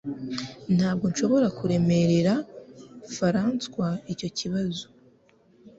Ntabwo nshobora kuremerera Faranswa icyo kibazo